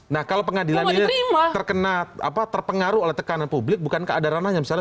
nah kalau pengadilan terkena apa terpengaruh oleh tekanan publik bukan keadaran hanya misalnya